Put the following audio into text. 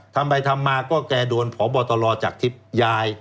ทำไปทำมาก็แกโดนพบตรจากทิพย์ย้าย